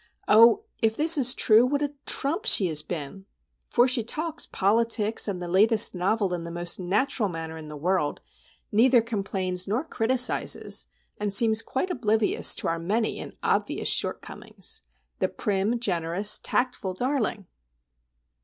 Oh, if this is true, what a trump she has been! For she talks politics and the latest novel in the most natural manner in the world, neither complains nor criticises, and seems quite oblivious to our many and obvious shortcomings,—the prim, generous, tactful darling!